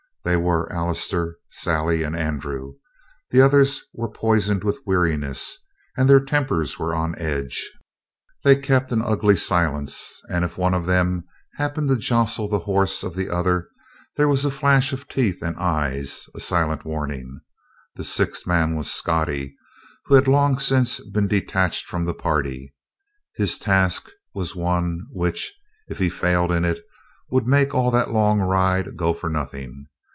They were Allister, Sally, and Andrew. The others were poisoned with weariness, and their tempers were on edge; they kept an ugly silence, and if one of them happened to jostle the horse of the other, there was a flash of teeth and eyes a silent warning. The sixth man was Scottie, who had long since been detached from the party. His task was one which, if he failed in it, would make all that long ride go for nothing.